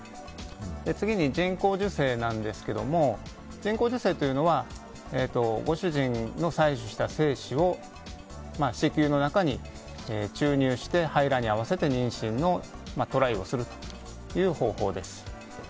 次に人工授精ですが人工授精というのはご主人の採取した精子を子宮の中に注入して排卵に合わせて妊娠のトライをする方法です。